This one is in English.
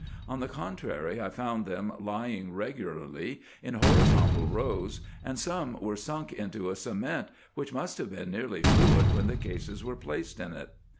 On the con trary, I found them lying regularly, in horizontal rows, and some were sunk into a cement, which must have been nearly fluid when the cases were placed on it.